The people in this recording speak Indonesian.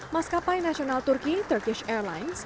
maskapai nasional turki turkish airlines